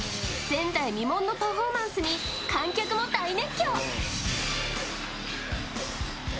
前代未聞のパフォーマンスに、観客も大熱狂。